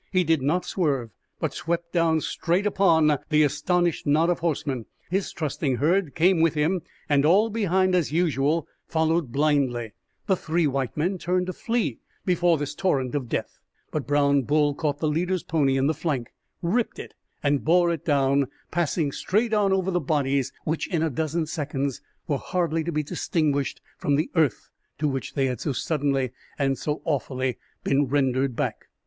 He did not swerve, but swept down straight upon the astonished knot of horsemen; his trusting herd came with him; and all behind, as usual, followed blindly. [Illustration: "The shambles of the plain."] The three white men turned to flee before the torrent of death. But Brown Bull caught the leader's pony in the flank, ripped it and bore it down, passing straight on over the bodies, which, in a dozen seconds, were hardly to be distinguished from the earth to which they had so suddenly and so awfully been rendered back.